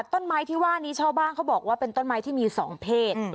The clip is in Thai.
ต้นไม้ที่ว่านี้ชาวบ้านเขาบอกว่าเป็นต้นไม้ที่มี๒เพศ